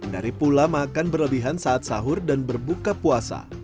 dari pula makan berlebihan saat sahur dan berbuka puasa